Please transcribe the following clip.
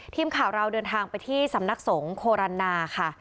ทีมข่าวเราเดินทางไปที่สำนักสงฆ์โครันนาค่ะ